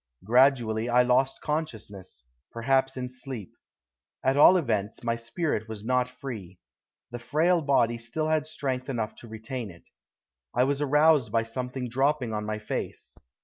Gradually I lost consciousness, perhaps in sleep. At all events, my spirit was not free. The frail body still had strength enough to retain it. I was aroused by something dropping on my face.